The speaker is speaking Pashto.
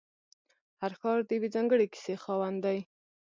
هر ښار د یوې ځانګړې کیسې خاوند دی.